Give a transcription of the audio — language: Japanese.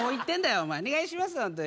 お前お願いしますよ